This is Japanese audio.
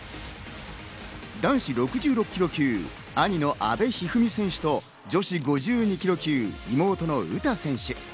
男子６６ｋｇ級、兄の阿部一二三選手と女子５２ｋｇ級、妹の詩選手。